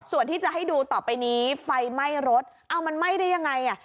ส่วนที่จะให้ดูต่อไปนี้ไฟไหม้รถเอามันไหม้ได้ยังไงอ่ะ